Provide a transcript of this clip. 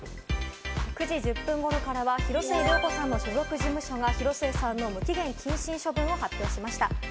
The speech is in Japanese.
９時１０分頃からは広末涼子さんの所属事務所が今回の不祥事を受け、広末さんの無期限謹慎処分を発表しました。